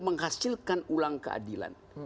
menghasilkan ulang keadilan